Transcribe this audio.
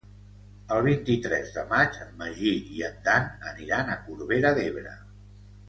El vint-i-tres de maig en Magí i en Dan aniran a Corbera d'Ebre.